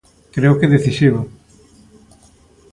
Creo que decisivo.